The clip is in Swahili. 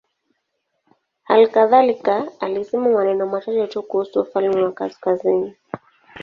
Hali kadhalika alisema maneno machache tu kuhusu ufalme wa kaskazini.